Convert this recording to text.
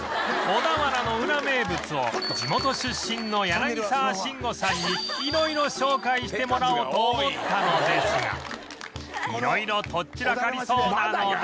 小田原のウラ名物を地元出身の柳沢慎吾さんに色々紹介してもらおうと思ったのですが色々とっ散らかりそうなので